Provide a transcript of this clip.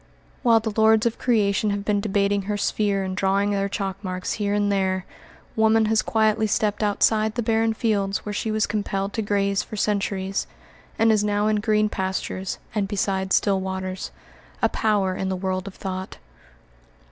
While the lords of creation have been debating her sphere and drawing their chalk marks here and there, woman has quietly stepped outside the barren fields where she was compelled to graze for centuries, and is now in green pastures and beside still waters, a power in the world of thought.